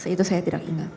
itu saya tidak ingat